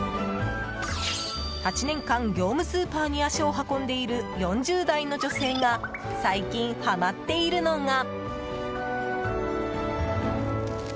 ８年間、業務スーパーに足を運んでいる４０代の女性が最近、はまっているのが。